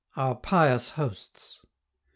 OUR PIOUS HOSTS M.